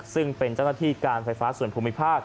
ซึ่งเป็นเจ้าหน้าที่การไฟฟ้าส่วนภูมิภาค